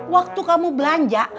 waktu kamu belanja